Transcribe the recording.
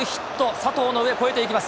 佐藤の上、越えていきます。